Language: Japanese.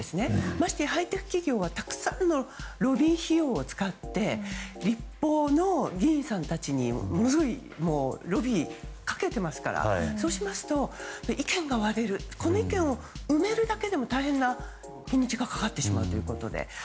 ましてハイテク企業はたくさんのロビー費用を使って立法の議員さんたちにものすごいロビーをかけてますからそうしますと意見が割れるのでこれを埋めるだけでも大変な日にちがかかってしまうということで。